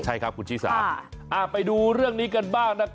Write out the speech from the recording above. ใช่ครับคุณชิสาไปดูเรื่องนี้กันบ้างนะครับ